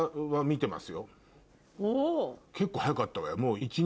結構早かったわよ。